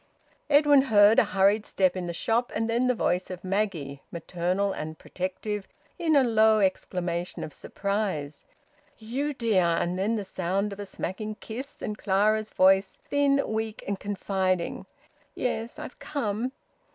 Edwin heard a hurried step in the shop, and then the voice of Maggie, maternal and protective, in a low exclamation of surprise: "You, dear!" And then the sound of a smacking kiss, and Clara's voice, thin, weak, and confiding: "Yes, I've come."